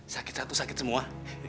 sakit satu sakit semua